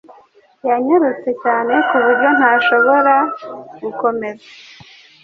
Yanyarutse cyane ku buryo ntashobora gukomeza.